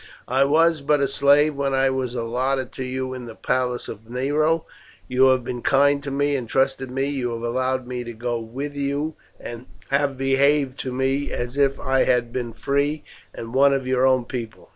I was but a slave when I was allotted to you in the palace of Nero. You have been kind to me, and trusted me. You have allowed me to go with you, and have behaved to me as if I had been free and one of your own people.